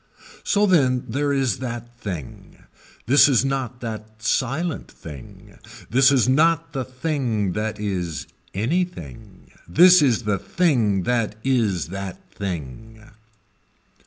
So then there is that thing. This is not that silent thing. This is not the thing that is anything. This is the thing that is that thing.